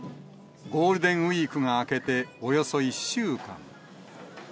ゴールデンウィークが明けておよそ１週間。